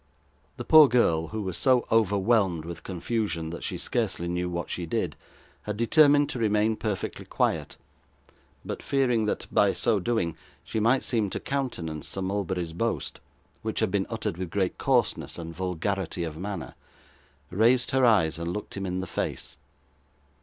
The poor girl, who was so overwhelmed with confusion that she scarcely knew what she did, had determined to remain perfectly quiet; but fearing that by so doing she might seem to countenance Sir Mulberry's boast, which had been uttered with great coarseness and vulgarity of manner, raised her eyes, and looked him in the face.